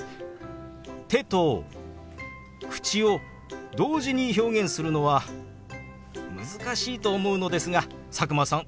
手と口を同時に表現するのは難しいと思うのですが佐久間さん